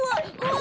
わ！